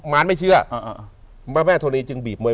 มานไม่เชื่อพระแม่ธรณีจึงบีบ